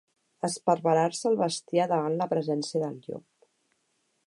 Esparverar-se el bestiar davant la presència del llop.